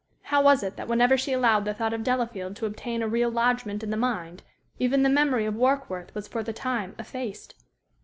How was it that whenever she allowed the thought of Delafield to obtain a real lodgment in the mind, even the memory of Warkworth was for the time effaced?